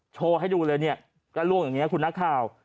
โชว์ให้ดูเลยเนี่ยก็ล่วงอย่างนี้คุณนักข่าว